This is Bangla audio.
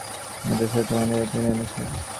একে অপরকে খুন করবে এই আশাতেই তোমাদের এই ট্রেনে এনেছি।